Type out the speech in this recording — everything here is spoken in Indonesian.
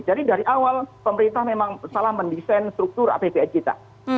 jadi dari awal pemerintah memang salah mendesain struktur apbn kita